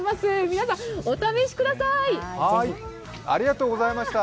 皆さんお試しください！